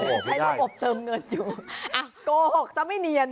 ใช้ระบบเติมเงินอยู่อ่ะโกหกซะไม่เนียน